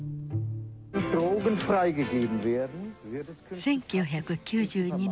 １９９２年。